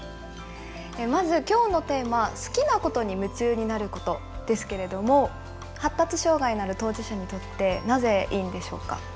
まず今日のテーマ「好きなことに夢中になること」ですけれども発達障害のある当事者にとってなぜいいんでしょうか？